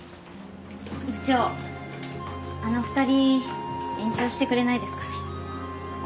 部長あの２人延長してくれないですかね？